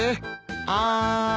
あん。